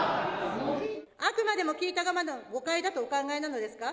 あくまでも聞いた側の誤解だとお考えなのですか。